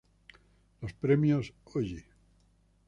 Los Premios Oye!